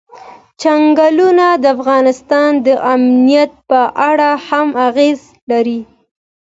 چنګلونه د افغانستان د امنیت په اړه هم اغېز لري.